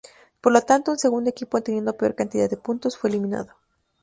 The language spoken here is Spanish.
Por lo tanto, un segundo equipo, teniendo peor cantidad de puntos, fue eliminado.